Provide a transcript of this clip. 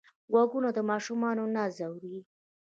غوږونه د ماشوم ناز اوري